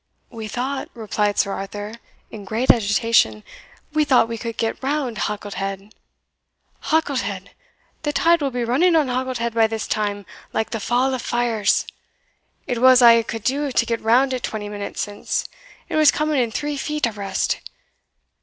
"We thought," replied Sir Arthur, in great agitation, "we thought we could get round Halket head." "Halket head! the tide will be running on Halket head by this time like the Fall of Fyers! it was a' I could do to get round it twenty minutes since it was coming in three feet abreast.